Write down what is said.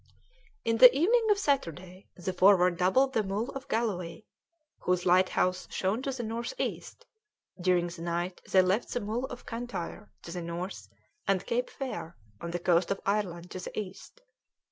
In the evening of Saturday the Forward doubled the Mull of Galloway, whose lighthouse shone to the north east; during the night they left the Mull of Cantyre to the north, and Cape Fair, on the coast of Ireland, to the east.